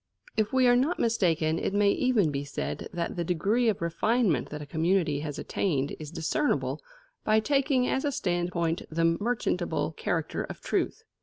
If we are not mistaken, it may even be said that the degree of refinement that a community has attained is discernible by taking as a standpoint the merchantable character of truth.